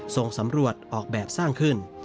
ส่งสำรวจออกแบบสร้างขึ้น